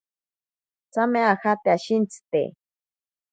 Tsame ajate ashintsite.